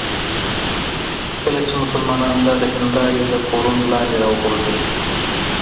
کله چې مسلمانان دغه هندارې له کورونو لاندې راوغورځوي.